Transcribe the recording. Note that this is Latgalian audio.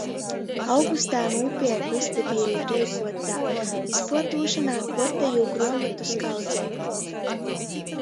Augustā nūpierku izdevieja reikuotā izpuordūšonā kuortejū gruomotu skaudzeiti.